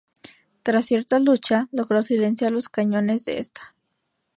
Tras cierta lucha, logró silenciar los cañones de esta.